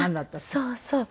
そうそう。